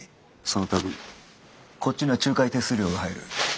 その度こっちには仲介手数料が入る。